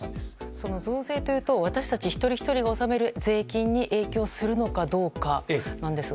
その増税というと私たち一人ひとりが納める税金に影響するのかどうかですが。